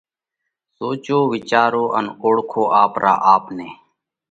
سوچو وِيچارو ان اوۯکو آپرا آپ نئہ!